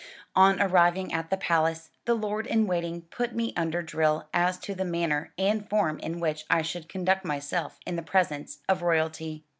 On arriving at the Palace, the Lord in Waiting put me under drill as to the manner and form in which I should conduct myself in the presence of royalty.